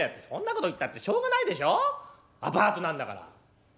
「そんなこと言ったってしょうがないでしょうアパートなんだから。